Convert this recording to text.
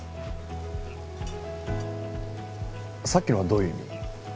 さっきのはどういう意味？